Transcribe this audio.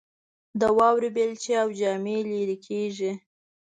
د واورې بیلچې او جامې لیرې کیږي